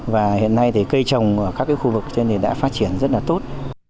và hiện nay thì cây trồng ở các khu vực trên thì đã phát triển rất là tốt